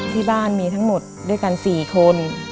ที่บ้านมีทั้งหมดด้วยกัน๔คน